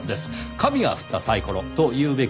神が振ったサイコロと言うべきでしょうか。